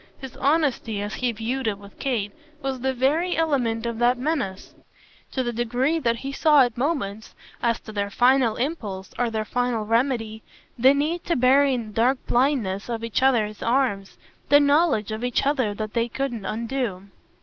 His honesty, as he viewed it with Kate, was the very element of that menace: to the degree that he saw at moments, as to their final impulse or their final remedy, the need to bury in the dark blindness of each other's arms the knowledge of each other that they couldn't undo.